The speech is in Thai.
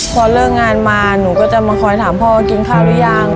พอเลิกงานมาหนูก็จะมาคอยถามพ่อกินข้าวหรือยัง